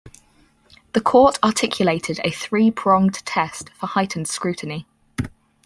The court articulated a three-pronged test for heightened scrutiny.